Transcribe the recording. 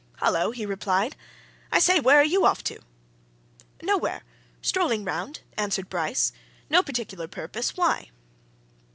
"Hullo!" he replied. "I say! Where are you off to?" "Nowhere! strolling round," answered Bryce. "No particular purpose, why?"